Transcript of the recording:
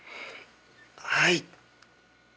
はい。